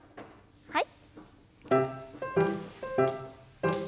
はい。